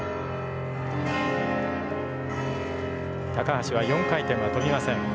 橋は４回転は跳びません。